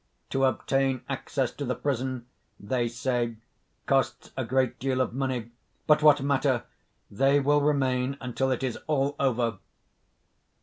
To obtain access to the prison, they say, costs a great deal of money. But what matter! They will remain until it is all over.